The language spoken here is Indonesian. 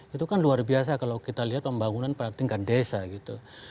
itu kan luar biasa kalau kita lihat pembangunan pada tingkat desa gitu